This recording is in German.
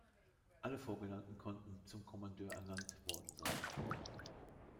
Alle Vorgenannten konnten 'zum Kommandeur ernannt' worden sein.